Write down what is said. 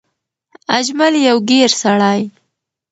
اجمل يو ګېر سړی